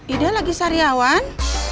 ida lagi sariawan